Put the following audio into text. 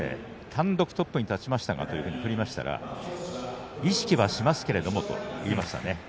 単独トップに立ちましたがと振りましたが意識はしますけれどもと言いましたね。